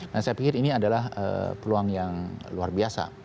nah saya pikir ini adalah peluang yang luar biasa